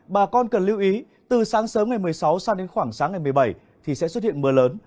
bà con cần lưu ý từ sáng sớm ngày một mươi sáu sang đến khoảng sáng ngày một mươi bảy thì sẽ xuất hiện mưa lớn